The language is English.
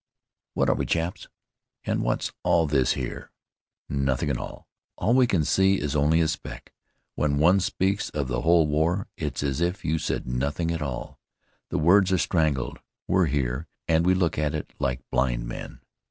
"What are we, we chaps? And what's all this here? Nothing at all. All we can see is only a speck. When one speaks of the whole war, it's as if you said nothing at all the words are strangled. We're here, and we look at it like blind men."